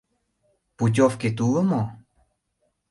Путёвкет уло мо?